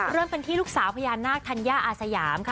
เริ่มกันที่ลูกสาวพญานาคธัญญาอาสยามค่ะ